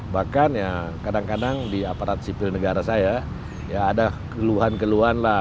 bahkan ya kadang kadang di aparat sipil negara saya ya ada keluhan keluhan lah